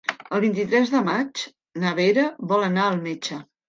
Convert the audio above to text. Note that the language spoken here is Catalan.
El vint-i-tres de maig na Vera vol anar al metge.